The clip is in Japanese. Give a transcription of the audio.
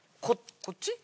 こっち？